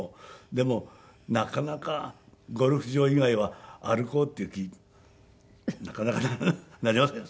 でもなかなかゴルフ場以外は歩こうっていう気になかなかなりません。